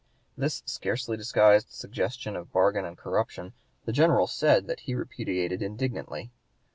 This scarcely disguised suggestion of bargain and corruption the General said that he repudiated indignantly.